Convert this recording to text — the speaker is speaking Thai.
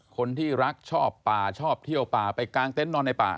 คนที่รักชอบป่าชอบเที่ยวป่าไปกางเต็นต์นอนในป่า